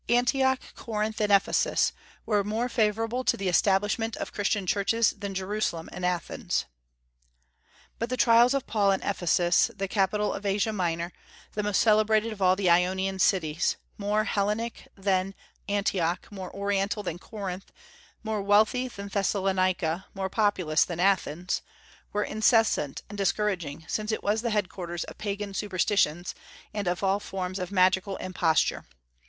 Antioch, Corinth, and Ephesus were more favorable to the establishment of Christian churches than Jerusalem and Athens. But the trials of Paul in Ephesus, the capital of Asia Minor, the most celebrated of all the Ionian cities, "more Hellenic than Antioch, more Oriental than Corinth, more wealthy than Thessalonica, more populous than Athens," were incessant and discouraging, since it was the headquarters of pagan superstitions, and of all forms of magical imposture.